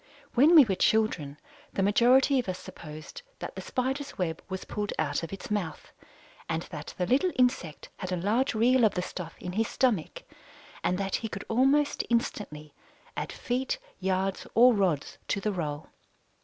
When we were children, the majority of us supposed that the Spider's web was pulled out of its mouth, and that the little insect had a large reel of the stuff in his stomach, and that he could almost instantly add feet, yards, or rods to the roll.